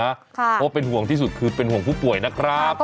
เพราะเป็นห่วงที่สุดคือเป็นห่วงผู้ป่วยนะครับ